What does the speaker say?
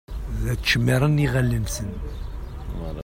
Ttcemmiṛen iɣallen-nsen.